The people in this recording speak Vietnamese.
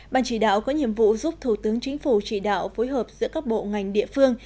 ban chỉ đạo có nhiệm vụ giúp thủ tướng chính phủ chỉ đạo phối hợp giữa các bộ ngành địa phương